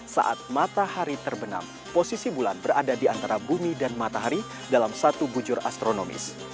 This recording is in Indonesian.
saat matahari terbenam posisi bulan berada di antara bumi dan matahari dalam satu bujur astronomis